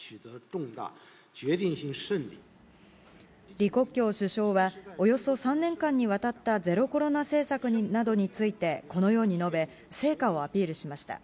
李克強首相は、およそ３年間にわたったゼロコロナ政策などについて、このように述べ、成果をアピールしました。